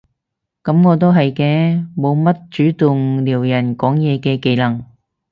噉我都係嘅，冇乜主動撩人講嘢嘅技能